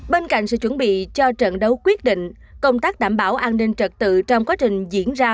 bên cạnh sự chuẩn bị cho trận đấu quyết định công tác đảm bảo an ninh trật tự trong quá trình diễn ra